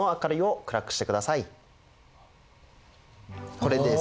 これです。